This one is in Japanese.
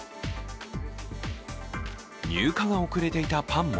入荷が遅れていたパンも。